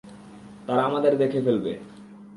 তারা আমাদের দেখে ফেলবে।